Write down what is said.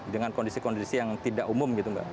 dengan kondisi kondisi yang tidak umum gitu mbak